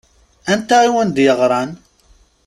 Anta i wen-d-yeɣṛan?